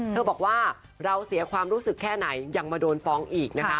บอกว่าเราเสียความรู้สึกแค่ไหนยังมาโดนฟ้องอีกนะคะ